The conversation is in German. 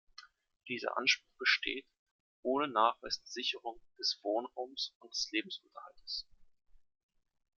Dieser Anspruch besteht ohne Nachweis der Sicherung des Wohnraums und des Lebensunterhalts.